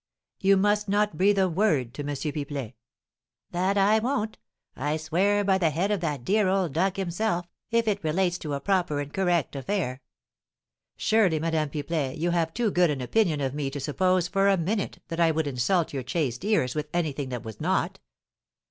"You must not breathe a word to M. Pipelet." "That I won't, I swear by the head of that dear old duck himself, if it relates to a proper and correct affair." "Surely, Madame Pipelet, you have too good an opinion of me to suppose, for a minute, that I would insult your chaste ears with anything that was not?"